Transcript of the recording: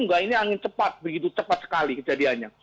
enggak ini angin cepat begitu cepat sekali kejadiannya